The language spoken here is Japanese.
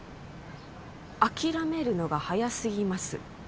諦めるのが早すぎます